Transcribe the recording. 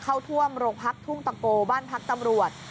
เข้าท่วมโรงพักทุ่งตะโกบ้านพักตำรวจ